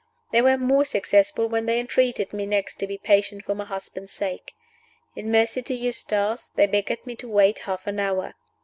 They were more successful when they entreated me next to be patient for my husband's sake. In mercy to Eustace, they begged me to wait half an hour.